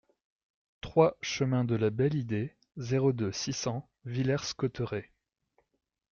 trois chemin de la Belle Idée, zéro deux, six cents Villers-Cotterêts